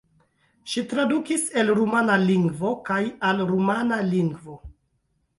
Ŝi tradukis el rumana lingvo kaj al rumana lingvo.